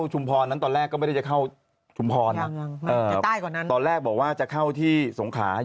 จุ่มพรนั่นตอนแรกก็ไม่ได้จะเข้าชุมพรนะ